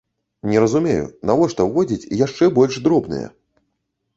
Не разумею, навошта ўводзіць яшчэ больш дробныя?